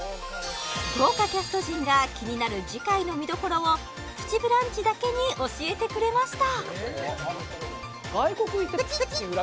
豪華キャスト陣が気になる次回の見どころを「プチブランチ」だけに教えてくれました